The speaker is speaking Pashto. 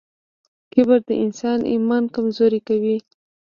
کبر د انسان ایمان کمزوری کوي.